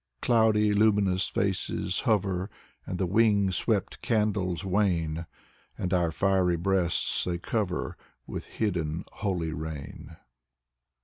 Cloudy luminous faces hover, And the wing swept candles wane. And our fiery breasts they cover As with hidden holy rain.